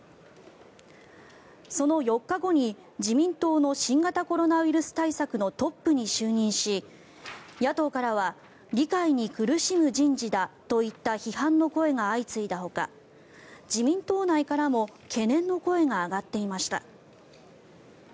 その４日後に自民党の新型コロナウイルス対策のトップに就任し野党からは理解に苦しむ人事だといった批判の声が相次いだほか自民党内からも懸念の声が上がっていました。